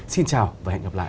xin chào và hẹn gặp lại